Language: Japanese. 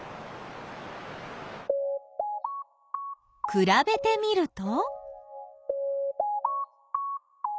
くらべてみると？